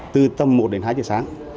từ tầm một đến hai giờ sáng